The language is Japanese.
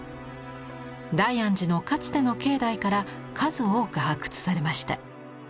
大安寺のかつての境内から数多く発掘されました。